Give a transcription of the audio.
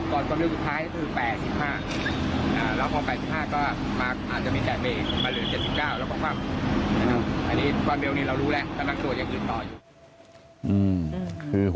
มันเหลือ๗๙แล้วก็ความเร็วนี้เรารู้แล้วจะนั่งตัวอย่างอื่นหน่อย